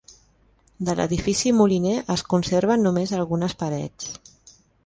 De l'edifici moliner es conserven només algunes parets.